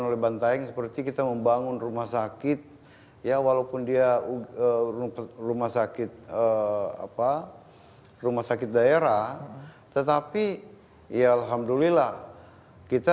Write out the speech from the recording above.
oleh banteng seperti kita membangun rumah sakit ya walaupun dia untuk rumah sakit